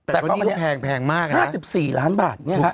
แต่ตอนนี้มันแพงมากนะครับถูกต้อง๕๔ล้านบาท